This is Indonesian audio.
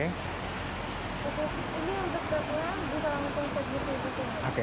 ini untuk pnu bisa langsung ke jgp